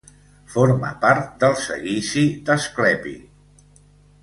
Forma part del seguici d'Asclepi.